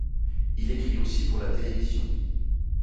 Il écrit aussi pour la télévision.